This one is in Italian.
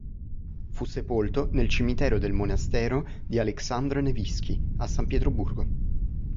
Fu sepolto nel cimitero del Monastero di Aleksandr Nevskij, a San Pietroburgo.